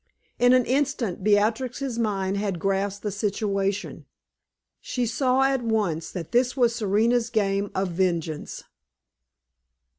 In an instant Beatrix's mind had grasped the situation. She saw at once that this was Serena's game of vengeance.